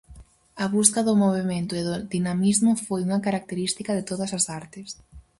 A busca do movemento e do dinamismo foi unha característica de todas as artes.